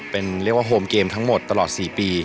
เป็นเรียกว่าโฮมเกมทั้งหมดตลอด๔ปี